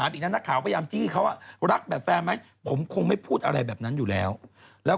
มีสื่อมีสื่อมีสื่อมงชนไหมคะ